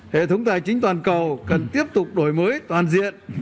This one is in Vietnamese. hệ thống tài chính toàn cầu cần tiếp tục đổi mới toàn diện